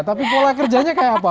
tapi pola kerjanya kayak apa